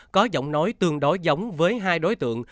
có giọng nói tương đối giống với hai đối tượng